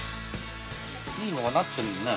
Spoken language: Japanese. いいのがなってるね。